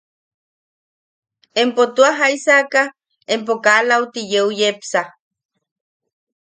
¿Empo tua jaisaka empo kaa lauti yeu yepsa?